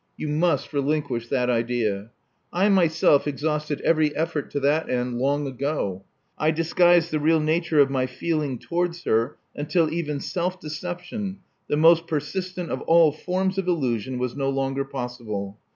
You must relinquish that idea. I myself exhausted every effort to that end long ago. I dis guised the real nature of my feeling towards her until even self deception, the most persistent of all forms of illusion, was no longer possible.